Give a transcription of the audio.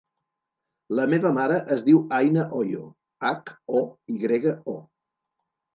La meva mare es diu Aina Hoyo: hac, o, i grega, o.